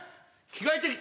着替えて。